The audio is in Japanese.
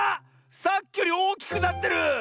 さっきよりおおきくなってる！